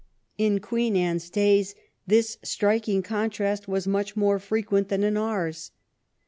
In Queen Anne's days this striking contrast was much more frequent than in ours.